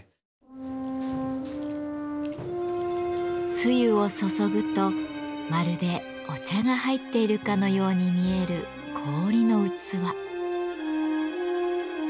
つゆを注ぐとまるでお茶が入っているかのように見える氷の器。